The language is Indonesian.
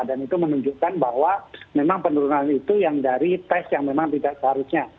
dan itu menunjukkan bahwa memang penurunan itu yang dari tes yang memang tidak seharusnya